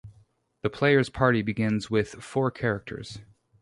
The player's party begins with four characters.